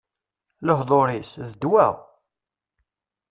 Lehdur-is, d ddwa!